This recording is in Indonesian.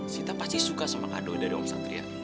sita pasti suka sama kado dari om satria